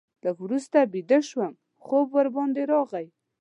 لږ وروسته بیده شوم، خوب ورباندې راغی.